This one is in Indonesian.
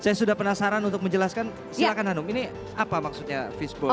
nah saya sudah penasaran untuk menjelaskan silahkan hanum ini apa maksudnya fishbowl ini